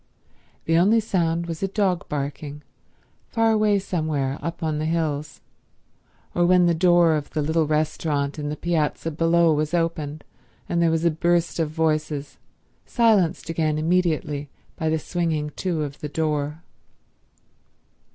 The only sound was a dog barking, far away somewhere up on the hills, or when the door of the little restaurant in the piazza below was opened and there was a burst of voices, silenced again immediately by the swinging to of the door.